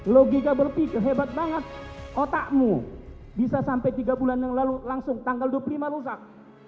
logika berpikir hebat banget otakmu bisa sampai tiga bulan yang lalu langsung tanggal dua puluh lima rusak